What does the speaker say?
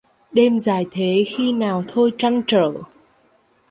Đêm dài thế khi nào thôi trăn trở